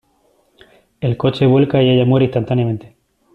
El coche vuelca y ella muere instantáneamente.